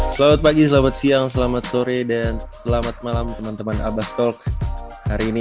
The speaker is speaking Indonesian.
selamat pagi selamat siang selamat sore dan selamat malam teman teman abbastolk hari ini